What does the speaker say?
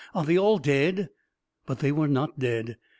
Are they all dead?" But they were not dead.